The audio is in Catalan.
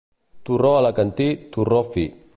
Torró alacantí, torró fi.